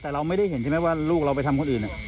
แต่เราไม่ได้เห็นใช่ไหมว่าลูกเราไปทำคนอื่น